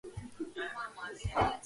მათ შეაგროვეს ისტორიული მასალები.